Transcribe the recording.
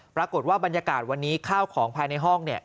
ปรากฏว่าบรรยากาศวันนี้ข้าวของภายในห้องเนี่ย